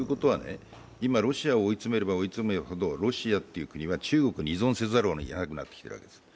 今、ロシアを追い詰めれば追い詰めるほど、ロシアは中国に依存せざるをえなくなってきているわけです。